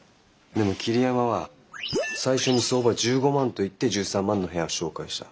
でも桐山は最初に相場１５万と言って１３万の部屋を紹介した。